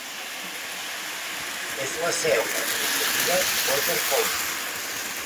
És la seu administrativa de Potter County.